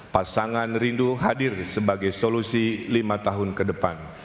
pasangan rindu hadir sebagai solusi lima tahun ke depan